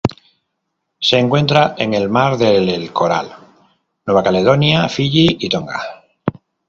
Se encuentra en el Mar del Coral, Nueva Caledonia, Fiyi y Tonga.